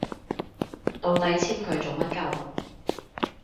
到底簽佢做乜 𨳊